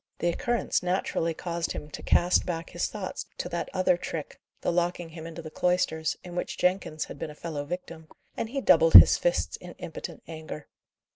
The occurrence naturally caused him to cast back his thoughts to that other trick the locking him into the cloisters, in which Jenkins had been a fellow victim and he doubled his fists in impotent anger.